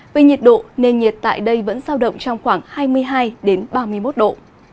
về nhiệt độ nền nhiệt tại đây vẫn giao động trong khoảng hai mươi hai ba mươi một độ